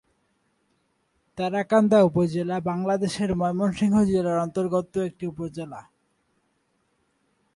তারাকান্দা উপজেলা বাংলাদেশের ময়মনসিংহ জেলার অন্তর্গত একটি উপজেলা।